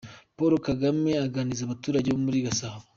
Paul Kagame aganiriza abaturage bo muri Gasabo.